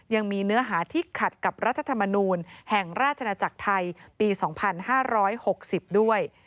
ยังมีเนื้อหาที่ขัดกับรัฐธรรมนูลแห่งราชนาจักรไทยปี๒๕๖๐ด้วย